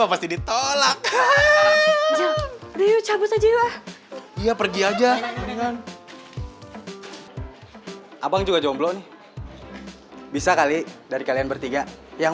pasti ditolak ke tiga cabut aja ya pergi aja abang juga jomblo bisa kali dari kalian bertiga yang